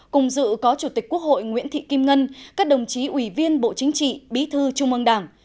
cùng dự có chủ tịch quốc hội nguyễn thị kim ngân các đồng chí ủy viên bộ chính trị bí thư trung ương đảng